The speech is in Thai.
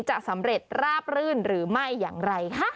จะสำเร็จราบรื่นหรือไม่อย่างไรคะ